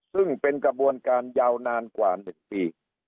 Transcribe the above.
ซึ่งเป็นกระบวนการยาวนานกว่า๑ปี